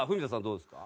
どうですか？